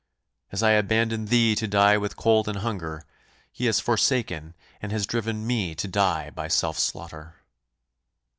As I abandoned thee to die with cold and hunger, he has forsaken, and has driven me to die by self slaughter."